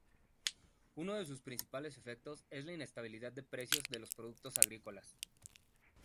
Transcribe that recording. Uno de sus principales efectos es la inestabilidad de precios de los productos agrícolas.